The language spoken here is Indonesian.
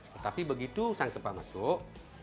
tetapi begitu sang sepa masuk